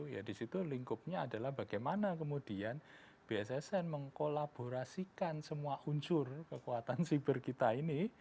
ya di situ lingkupnya adalah bagaimana kemudian bssn mengkolaborasikan semua unsur kekuatan siber kita ini